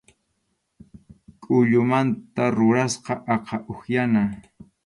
Kʼullumanta rurasqa aqha upyana.